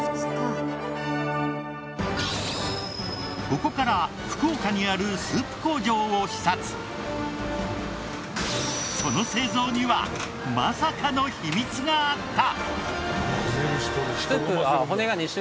ここから福岡にあるその製造にはまさかの秘密があった！